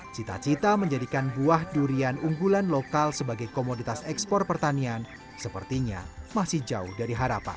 cita cita menjadikan buah durian unggulan lokal sebagai komoditas ekspor pertanian sepertinya masih jauh dari harapan